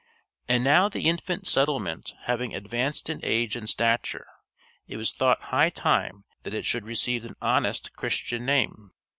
And now the infant settlement having advanced in age and stature, it was thought high time it should receive an honest Christian name.